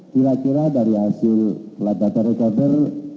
kira kira dari hasil data recorder